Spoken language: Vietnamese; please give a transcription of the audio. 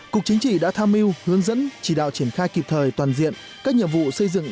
cục chính trị đã tham mưu hướng dẫn chỉ đạo triển khai kịp thời toàn diện các nhiệm vụ xây dựng